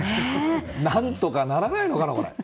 何とかならないのかな、これ。